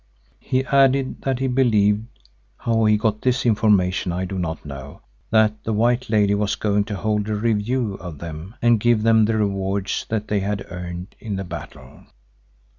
He added that he believed—how he got this information I do not know—that the White Lady was going to hold a review of them and give them the rewards that they had earned in the battle.